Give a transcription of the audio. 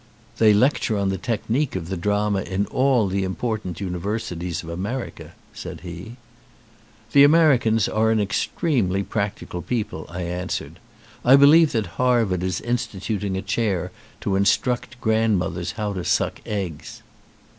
"They lecture on the technique of the drama in all the important universities of America," said he. "The Americans are an extremely practical people," I answered. "I believe that Harvard is instituting a chair to instruct grandmothers how to suck eggs."